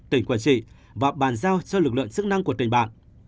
tỉnh quảng trị và bàn giao cho lực lượng sức năng của tỉnh bạn